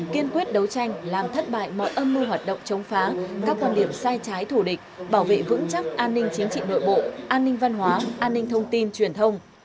kiên quyết đấu tranh làm thất bại mọi âm mưu hoạt động chống phá các quan điểm sai trái thủ địch bảo vệ vững chắc an ninh chính trị nội bộ an ninh văn hóa an ninh thông tin truyền thông